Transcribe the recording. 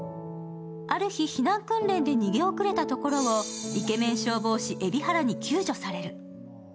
ある日、避難訓練で逃げ遅れたところをイケメン消防士蛯原に救助される。